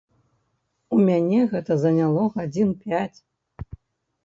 У мяне гэта заняло гадзін пяць.